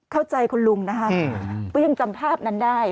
เข้าใจคุณลุงนะคะก็ยังจำภาพนั้นได้